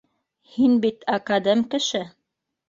Һин бит академ кеше